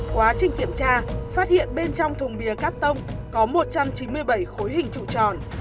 quá trình kiểm tra phát hiện bên trong thùng bìa cát tông có một trăm chín mươi bảy khối hình trụ tròn